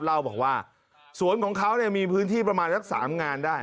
เล่าบอกว่าสวนของเขามีพื้นที่ประมาณสัก๓งานได้